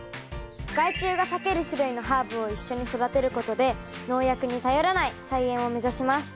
害虫が避ける種類のハーブを一緒に育てることで農薬に頼らない菜園を目指します。